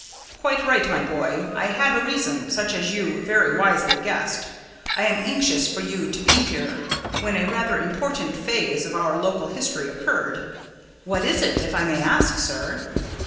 "Quite right, my boy. I had a reason such as you very wisely guessed. I was anxious for you to be here when a rather important phase of our local history occurred." "What is that, if I may ask, sir?"